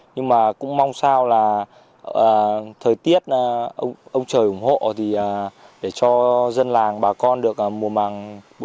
nhưng mà cũng mong sao là thời tiết ông trời ủng hộ thì để cho dân làng bà con được mùa màng